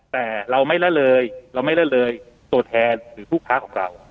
แต่เราไม่ระเลยเป็นตัวแทนหรือผู้ขาของเรา